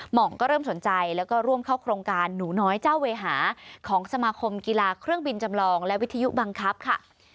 หมองก็เริ่มสนใจแล้วก็ร่วมเข้าโครงการหนูน้อยเจ้าเวหาของสมาคมกีฬาเครื่องบินจำลองและวิทยุบังคับค่ะ